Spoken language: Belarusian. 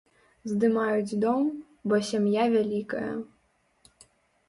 Здымаюць дом, бо сям'я вялікая.